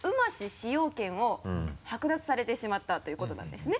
使用権を剥奪されてしまったということなんですね。